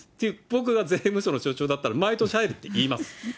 僕が税務署の所長だったら、毎年入るって言います。